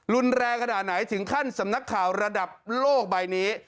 รุนแรงขนาดไหนถึงขั้นสำนักข่าวระดับโลกใบนี้